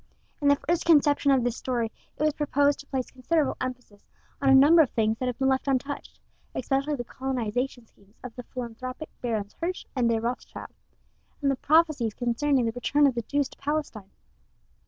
In the first conception of this story it was purposed to place considerable emphasis on a number of things that have been left untouched, especially the colonization schemes of the philanthropic Barons Hirsch and De Rothschild, and the prophecies concerning the return of the Jews to Palestine.